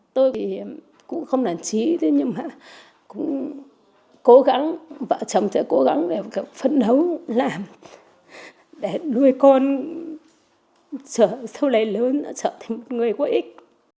tôi cũng không đàn trí nhưng mà cũng cố gắng vợ chồng sẽ cố gắng để phấn đấu làm để đuôi con sau này lớn trở thành một người có ích